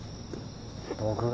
僕が？